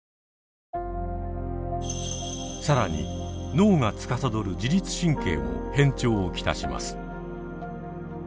更に脳がつかさどる自律神経も変調を来します。